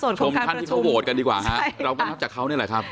ชมท่านที่เขาโหวตกันดีกว่าฮะเราก็นับจากเขานี่แหละครับ